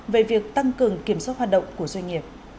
về việc tăng cường kiểm soát hoạt động của doanh nghiệp